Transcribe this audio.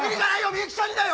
みゆきちゃんにだよ！